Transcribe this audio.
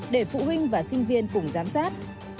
để phụ huynh và sinh viên cùng giám sát